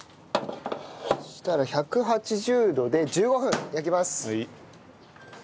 そしたら１８０度で１５分焼きます。